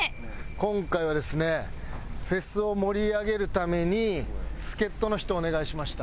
今回はですねフェスを盛り上げるために助っ人の人をお願いしました。